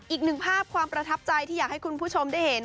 อีกหนึ่งภาพความประทับใจที่อยากให้คุณผู้ชมได้เห็น